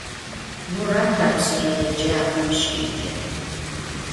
Murat apşsere yêcap'em şêce.